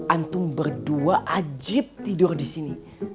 antung berdua wajib tidur di sini